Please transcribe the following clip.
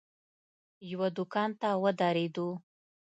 یوه دوکان ته ودرېدو.